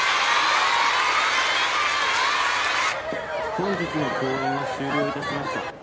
本日の公演は終了いたしました。